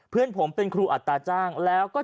เพื่อนผมเป็นครูอัตราจ้างแล้วก็